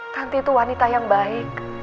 panti itu wanita yang baik